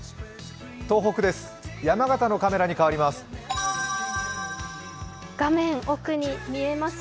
東北です、山形のカメラに変わります。